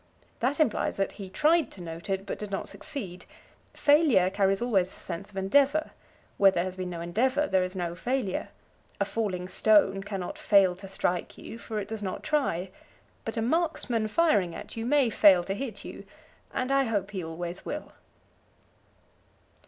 That implies that he tried to note it, but did not succeed. Failure carries always the sense of endeavor; when there has been no endeavor there is no failure. A falling stone cannot fail to strike you, for it does not try; but a marksman firing at you may fail to hit you; and I hope he always will.